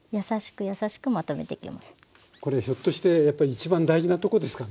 これひょっとしてやっぱり一番大事なとこですかね？